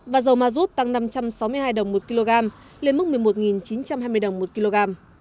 và dầu ma rút tăng năm trăm sáu mươi hai đồng một kg lên mức một mươi một chín trăm hai mươi đồng một kg